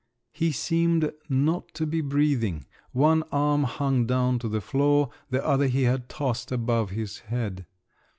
He seemed not to be breathing; one arm hung down to the floor, the other he had tossed above his head.